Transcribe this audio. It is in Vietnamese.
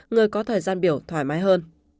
người có thời gian biểu thoải mái hơn